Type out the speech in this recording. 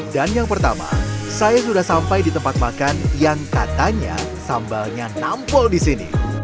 dan yang pertama saya sudah sampai di tempat makan yang katanya sambalnya nampol disini